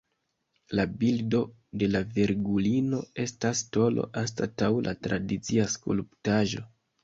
La bildo de la Virgulino estas tolo anstataŭ la tradicia skulptaĵo.